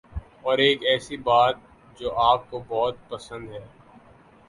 اور ایک ایسی بات جو آپ کو بہت پسند ہے